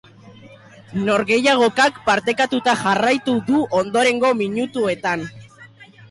Norgehiagokak parekatuta jarraitu du ondorengo minutuetan.